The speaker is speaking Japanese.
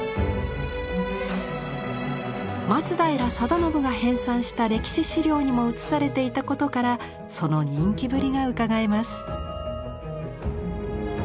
松平定信が編纂した歴史資料にも写されていたことからその人気ぶりがうかがえます。